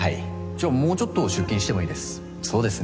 じゃあもうちょっと出勤しそうですね。